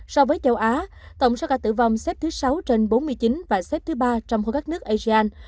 so với châu á tổng số ca tử vong xếp thứ sáu trên bốn mươi chín và xếp thứ ba trong khối các nước asean